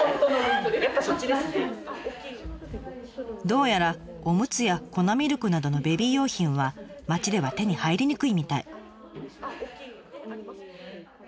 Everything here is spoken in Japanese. どうやらオムツや粉ミルクなどのベビー用品は町では手に入りにくいみたい。